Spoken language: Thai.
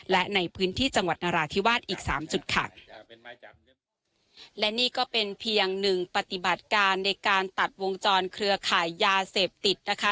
และนี่ก็เป็นเพียงหนึ่งปฏิบัติการในการตัดวงจรเครือข่ายหยาเสพติดนะคะ